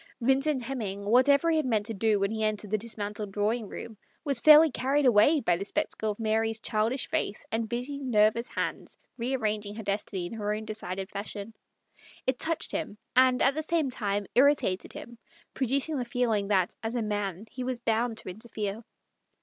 Vin cent Hemming, whatever he had meant to do when he entered the dismantled drawing room, was fairly carried away by the spectacle of Mary's childish face and busy, nervous little hands rearranging her destiny in her own decided fashion. It touched him, and at the same time irritated him, producing the feel ing that, as a man, he was bound to interfere.